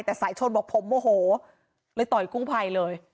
แต่สายชนบอกภงโวโหเลยต่อกู้ไพเลย